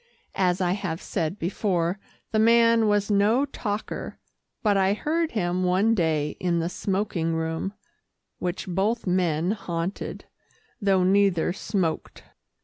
As I have said before, the man was no talker, but I heard him one day in the smoking room, which both men haunted, though neither smoked.